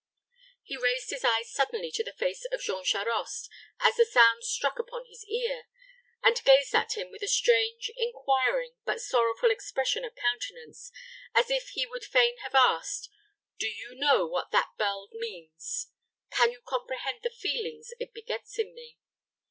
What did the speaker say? He raised his eyes suddenly to the face of Jean Charost as the sounds struck upon his ear, and gazed at him with a strange, inquiring, but sorrowful expression of countenance, as if he would fain have asked, "Do you know what that bell means? Can you comprehend the feelings it begets in me?"